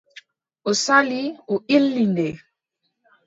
O sali, o illi nde.